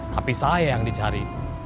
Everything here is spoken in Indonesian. tapi saya yang dicari